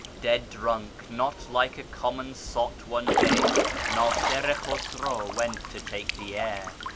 Dead drunk (not like a common sot) one day Nasir i Khusraw went to take the air.